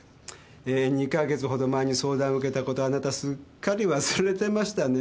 えー２か月ほど前に相談受けたことあなたすっかり忘れてましたね。